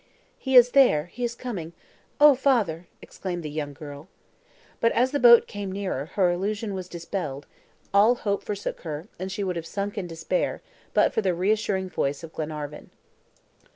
"He is there! He is coming! Oh, father!" exclaimed the young girl. But as the boat came nearer, her illusion was dispelled; all hope forsook her, and she would have sunk in despair, but for the reassuring voice of Glenarvan.